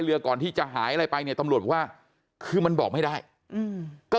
เรือก่อนที่จะหายอะไรไปเนี่ยตำรวจบอกว่าคือมันบอกไม่ได้อืมก็